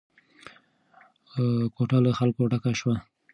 کوټه له خلکو ډکه شوه.